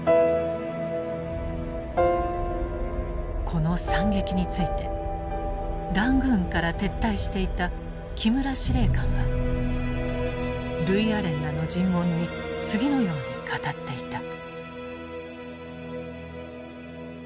この惨劇についてラングーンから撤退していた木村司令官はルイアレンらの尋問に次のように語っていた。